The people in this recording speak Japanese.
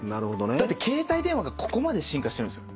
だって携帯電話がここまで進化してるんすよ。